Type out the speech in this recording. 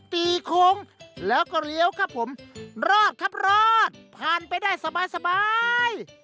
ตีโค้งแล้วก็เลี้ยวครับผมรอดครับรอดผ่านไปได้สบาย